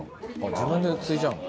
自分でついじゃうの？